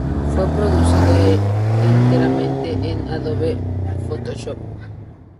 Fue producida enteramente en Adobe Photoshop.